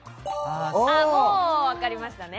もうわかりましたね。